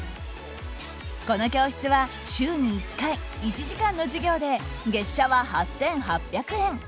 この教室は週に１回１時間の授業で月謝は８８００円。